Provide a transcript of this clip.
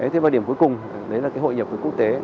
thế và điểm cuối cùng đấy là cái hội nhập với quốc tế